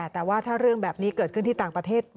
แต่ว่าถ้าเรื่องแบบนี้เกิดขึ้นที่ต่างประเทศ